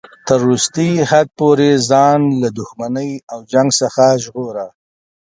تر وروستي حد پورې ځان له دښمنۍ او جنګ څخه ژغوره.